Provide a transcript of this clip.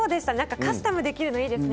カスタムできるのがいいですね。